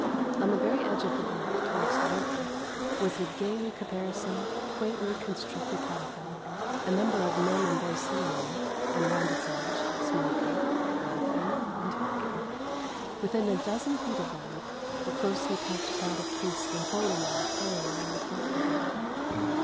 On the very edge of the bluff, towards the river, was the gaily caparisoned, quaintly constructed catafalque, a number of men and boys sitting in it and round its edge, smoking, laughing, and talking. Within a dozen feet of them, the closely packed crowd of priests and holy men praying round the coffin.